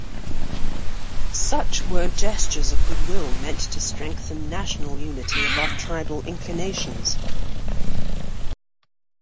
Such were gestures of goodwill meant to strengthen national unity above tribal inclinations.